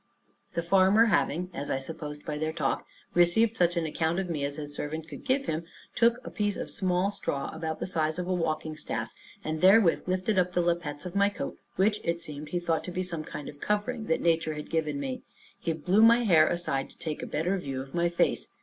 The farmer having (as I suppose by their talk) received such an account of me as his servant could give him, took a piece of a small straw, about the size of a walking staff, and therewith lifted up the lappets of my coat, which, it seems, he thought to be some kind of covering that nature had given me. He blew my hair aside to take a better view of my face.